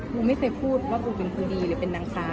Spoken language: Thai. กูไม่เคยพูดว่ากูเป็นคนดีหรือเป็นนางฟ้า